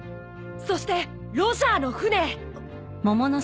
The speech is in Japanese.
そしてロジャーの船へ！